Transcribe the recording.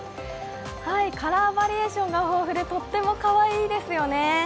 カラーバリエーションが豊富でとってもかわいいですよね。